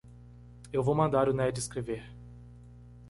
Eu vou mandar o Ned escrever.